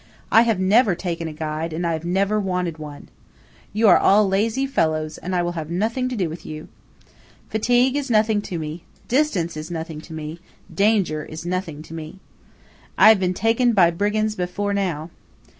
I have never taken a guide, and I have never wanted one. You are all lazy fellows, and I will have nothing to do with you. Fatigue is nothing to me–distance is nothing to me–danger is nothing to me. I have been taken by brigands before now.